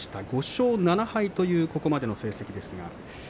５勝７敗というここまでの成績です。